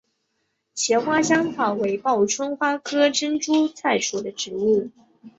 茄花香草为报春花科珍珠菜属的植物。